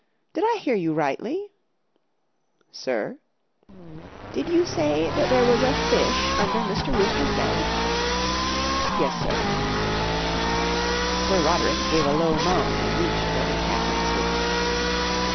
Did 1 hear ^ you rightly ? 11 Sir ? J ''■ Did you say that there was a fish under Mr. Wooster s bed ?"" Yes, sir/' Sir Roderick gave a low moan, and reached for his hat am 1 stick.